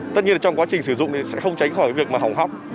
tất nhiên là trong quá trình sử dụng thì sẽ không tránh khỏi việc mà hỏng hóc